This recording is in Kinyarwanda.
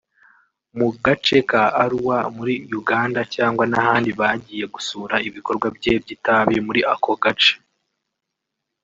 mu gace ka Arua muri Uganda cyangwa n’ahandi bagiye gusura ibikorwa bye by’itabi muri ako gace